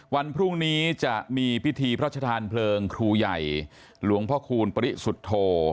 วันพรุ่งนี้จะมีพิธีพระชธานเพลิงครูใหญ่หลวงพ่อคูณปริสุทธโธ